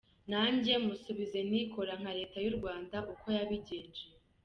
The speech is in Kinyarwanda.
Nanjye musubize nti kora nka Leta y’u Rwanda uko yabigenje.